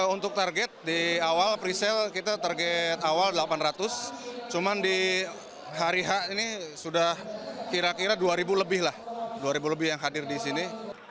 untuk target di awal presale kita target awal rp delapan ratus cuman di hari ini sudah kira kira rp dua lebih yang hadir di sini